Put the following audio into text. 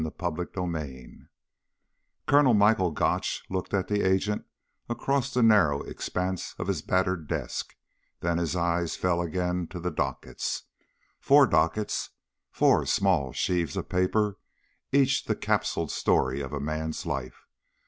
CHAPTER 18 Colonel Michael Gotch looked at the agent across the narrow expanse of his battered desk, then his eyes fell again to the dockets. Four dockets, four small sheaves of paper, each the capsuled story of a man's life.